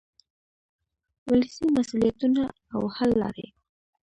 ولسي مسؤلیتونه او حل لارې.